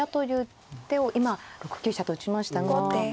今６九飛車と打ちましたが。